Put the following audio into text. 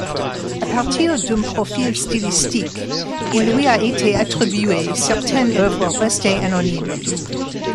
À partir d'un profil stylistique il lui a été attribué certaines œuvres restées anonymes.